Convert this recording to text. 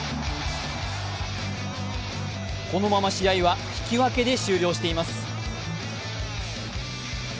このまま試合は引き分けで終了しています。